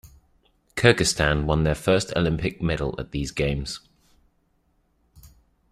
Kyrgyzstan won their first Olympic medal at these games.